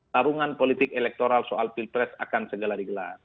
tarungan politik elektoral soal pilpres akan segera digelar